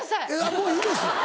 もういいです。